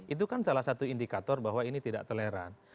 itu kan salah satu indikator bahwa ini tidak toleran